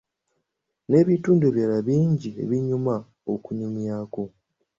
N'ebitundu ebirala bingi ebinyuma okunyumyako.